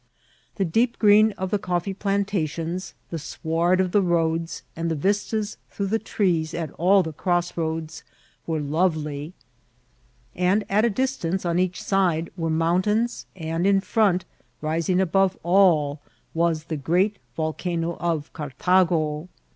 The deep green of the ooffee plantationSy the sward of the roads, and the vistas through the trees at aU the crossroads were lovely ; at a distance on each side were mount ains, and in front, rising above all, was the great Vol* cano of Cartago.